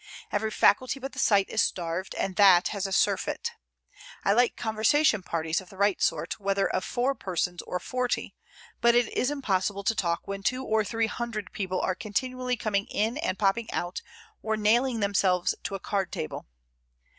Every faculty but the sight is starved, and that has a surfeit. I like conversation parties of the right sort, whether of four persons or forty; but it is impossible to talk when two or three hundred people are continually coming in and popping out, or nailing themselves to a card table.